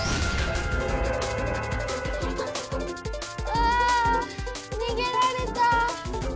あぁにげられた。